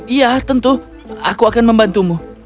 iya tentu aku akan membantumu